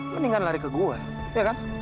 mendingan lari ke gua ya kan